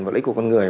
và lĩnh của con người